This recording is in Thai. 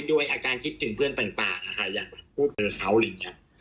ด้วยอาการคิดถึงเพื่อนต่างอย่างผู้เจอเขาหรืออย่างนั้น